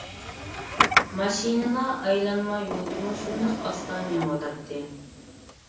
ماشىنىلا ئايلانما يولدىمۇ شۇنداق ئاستا مېڭىۋاتاتتى.